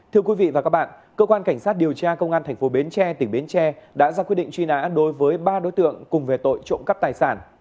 thưa quý vị và các bạn cơ quan cảnh sát điều tra công an tp bến tre tỉnh bến tre đã ra quyết định truy nã đối với ba đối tượng cùng về tội trộm cắp tài sản